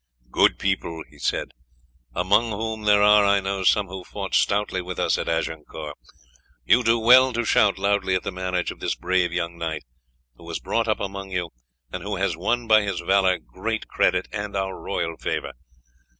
"Good people," he said, "among whom there are, I know, some who fought stoutly with us at Agincourt, you do well to shout loudly at the marriage of this brave young knight, who was brought up among you, and who has won by his valour great credit, and our royal favour.